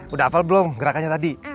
udah hafal belum gerakannya tadi